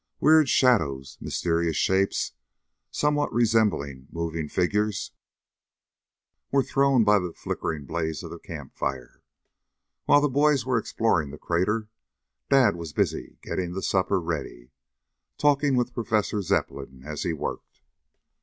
Weird shadows, mysterious shapes, somewhat resembling moving figures, were thrown by the flickering blaze of the camp fire. While the boys were exploring the crater Dad was busy getting the supper ready, talking with Professor Zepplin as he worked.